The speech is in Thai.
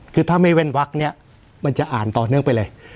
คือถ้าไม่เว่นวักเนี่ยมันจะอ่านต่อเนื่องไปเลย